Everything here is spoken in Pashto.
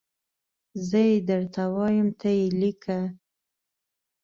زه یي درته وایم ته یي لیکه